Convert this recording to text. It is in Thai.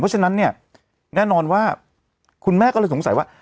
เพราะฉะนั้นเนี่ยแน่นอนว่าคุณแม่ก็เลยสงสัยว่า